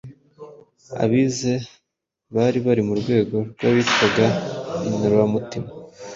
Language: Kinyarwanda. Abize bari bari mu rwego rw'abitwaga inloramutima